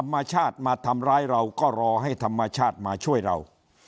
มาทำร้ายเราก็รอให้ธรรมชาติมาช่วยเรา